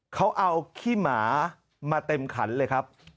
เขาเอาขี้หมามาเต็มขันเลยครับ